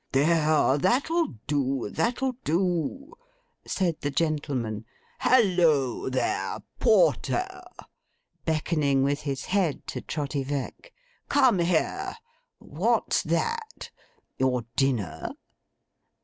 'There! That'll do, that'll do!' said the gentleman. 'Halloa there! Porter!' beckoning with his head to Trotty Veck. 'Come here. What's that? Your dinner?